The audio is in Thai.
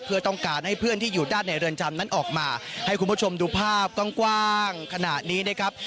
เพื่อต้องการให้เพื่อนที่อยู่ด้านในเรือนจำนั้นออกมาให้คุณผู้ชมดูภาพกว้างขนาดนี้นะครับ